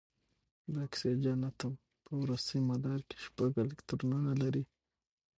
د اکسیجن اتوم په وروستي مدار کې شپږ الکترونونه لري.